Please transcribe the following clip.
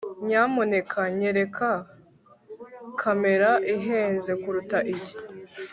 nyamuneka nyereka kamera ihenze kuruta iyi